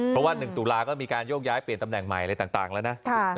เพราะว่า๑ตุลาก็มีการโยกย้ายเปลี่ยนตำแหน่งใหม่อะไรต่างแล้วนะ